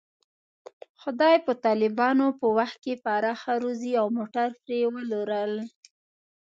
خدای په طالبانو په وخت کې پراخه روزي او موټر پرې ولورول.